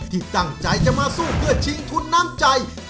ที่ตั้งใจจะมาสู้เพื่อชิงทุนน้ำใจ